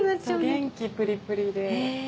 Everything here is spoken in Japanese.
そう元気プリプリで。